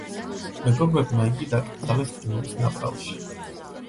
მეგობრებმა იგი დაკრძალეს ყინულის ნაპრალში.